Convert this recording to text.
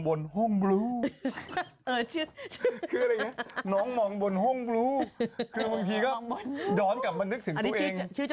ชื่อเจ้าของทวิตเตอร์